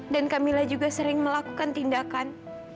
dan kamila juga sering melakukan tindakan